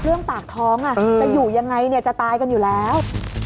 เรื่องปากท้องจะอยู่ยังไงจะตายกันอยู่แล้ว